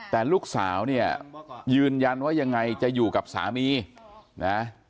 แต่ลูกสาวเนี่ยยืนยันว่ายังไงจะอยู่กับสามีนะ